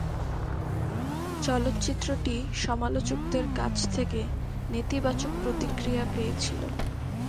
চলচ্চিত্রটি সমালোচকদের কাছ থেকে নেতিবাচক প্রতিক্রিয়া পেয়েছিল।